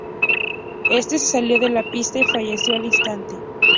Este se salió de la pista y falleció al instante.